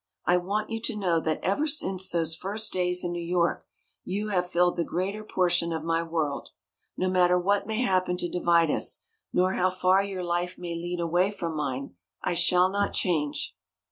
I want you to know that ever since those first days in New York you have filled the greater portion of my world. No matter what may happen to divide us, nor how far your life may lead away from mine, I shall not change."